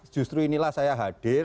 justru inilah saya hadir